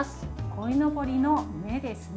こいのぼりの目ですね。